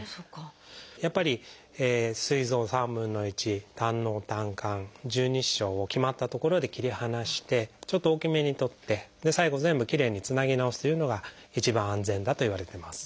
やっぱりすい臓３分の１胆のう胆管十二指腸を決まった所で切り離してちょっと大きめに取って最後全部きれいにつなぎ直すというのが一番安全だといわれてます。